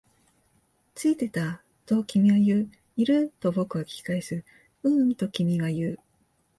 ついてた、と君は言う。いる？と僕は聞き返す。ううん、と君は言う。